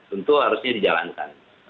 itu harusnya dijalankan